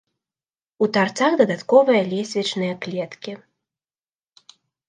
У тарцах дадатковыя лесвічныя клеткі.